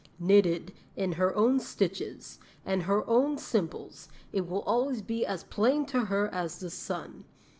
Knitted, in her own stitches, and her own symbols, it will always be as plain to her as the sun.